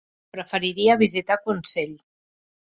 Preferiria visitar Consell.